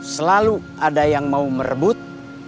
selalu ada yang mau merebut